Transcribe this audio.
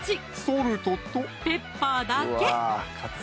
ソルトとペッパーだけ！